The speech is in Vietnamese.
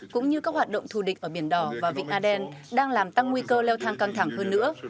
cũng như các hoạt động thù địch ở biển đỏ và vịnh aden đang làm tăng nguy cơ leo thang căng thẳng hơn nữa